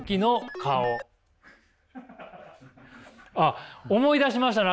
あ思い出しました？